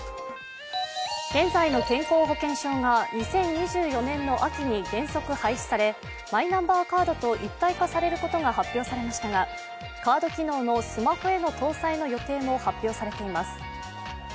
現在の健康保険証が２０２４年の秋に原則廃止されマイナンバーカードと一体化されることが発表されましたが、カード機能のスマホへの搭載の予定も発表されています。